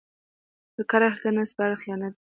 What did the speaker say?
د کار اهل ته نه سپارل خیانت دی.